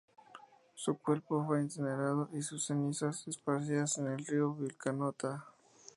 Su cuerpo fue incinerado y sus cenizas esparcidas en el río Vilcanota.